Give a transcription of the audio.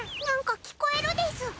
なんか聞こえるです。